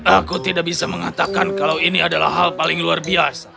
aku tidak bisa mengatakan kalau ini adalah hal paling luar biasa